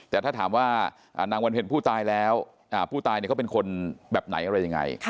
แต่ถ้าถามว่านางวันเพ็ญผู้ตายแล้วผู้ตายเขาเป็นคนแบบไหนอะไรยังไง